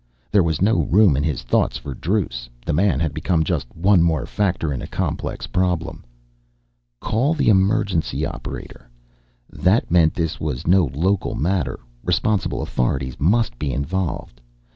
There was no room in his thoughts for Druce, the man had become just one more factor in a complex problem. Call the emergency operator that meant this was no local matter, responsible authorities must be involved.